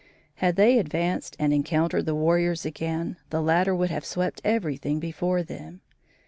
Had they advanced and encountered the warriors again, the latter would have swept everything before them.